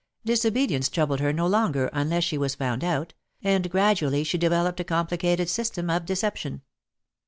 Disobedience troubled her no longer unless she was found out, and, gradually, she developed a complicated system of deception.